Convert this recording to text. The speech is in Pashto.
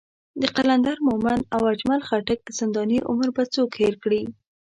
د قلندر مومند او اجمل خټک زنداني عمر به څوک هېر کړي.